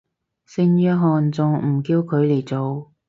聖約翰仲唔叫佢嚟做